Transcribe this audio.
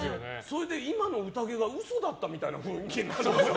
今の宴が嘘だったみたいな雰囲気になるんですよ。